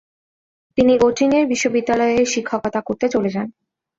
তিনি গ্যোটিঙেন বিশ্ববিদ্যালয়ে শিক্ষকতা করতে চলে যান।